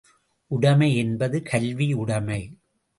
உடைமை என்பது கல்வி உடைமை.